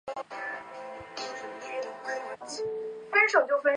以萨迦是雅各和他第一任妻子利亚的第五个儿子。